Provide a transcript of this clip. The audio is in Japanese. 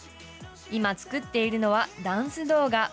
今、作っているのはダンス動画。